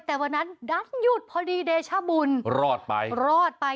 แต่วันนั้นดังหยุดพอดีเดชบุลรอดไป